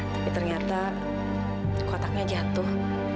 tapi ternyata kotaknya jatuh